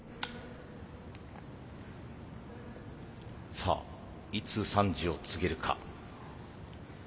さあいつ３時を告げるか。